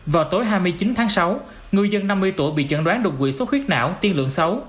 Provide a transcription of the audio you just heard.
vào tối hai mươi chín tháng sáu ngư dân năm mươi tuổi bị chẩn đoán đột quỷ số khuyết não tiên lượng sáu